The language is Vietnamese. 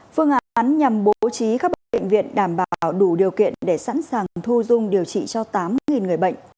phương án nhằm bố trí các bệnh viện đảm bảo đủ điều kiện để sẵn sàng thu dung điều trị cho tám người bệnh